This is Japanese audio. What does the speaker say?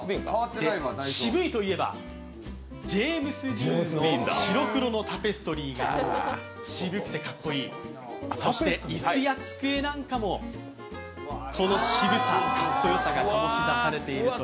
渋いといえば、ジェームス・ディーンの白黒のタペストリーが渋くてかっこいい、そしていすや机なんかもこのシブさかっこよさがあるという。